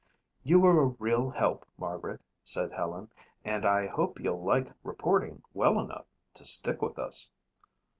"You were a real help, Margaret," said Helen, "and I hope you'll like reporting well enough to stick with us."